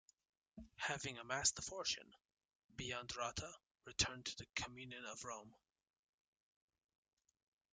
Having amassed a fortune, Biandrata returned to the communion of Rome.